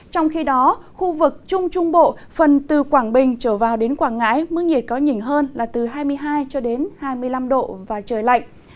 trong khi đó khu vực trung trung bộ phần từ quảng bình trở vào đến quảng ngãi mức nhiệt có nhỉnh hơn là từ hai mươi hai hai mươi năm độ và trời lạnh